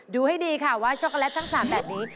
ดูให้ดีค่ะว่าช็อกโกแลตทั้ง๓แบบนี้